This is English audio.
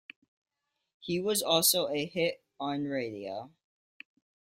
He was also a hit on radio.